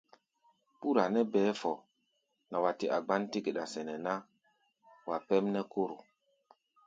Ɓúra nɛ́ bɛɛ́ fɔ nɛ wa tɛ́ a gbán-té geɗa sɛnɛ ná, wa pɛ́m nɛ́ kóro.